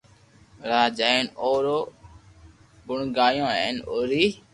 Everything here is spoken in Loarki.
راھ جالين او رو گڻگايو ھين او ري